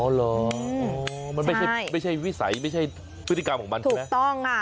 เหรอมันไม่ใช่วิสัยไม่ใช่พฤติกรรมของมันถูกต้องค่ะ